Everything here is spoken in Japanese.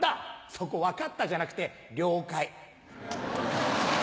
そこ「分かった」じゃなくて「リョウカイ」。